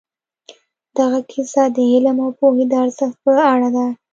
دغه کیسه د علم او پوهې د ارزښت په اړه ده.